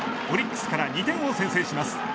オリックスから２点を先制します。